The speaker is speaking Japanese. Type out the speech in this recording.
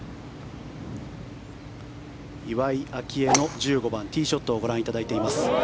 岩井明愛の１５番、ティーショットをご覧いただいています。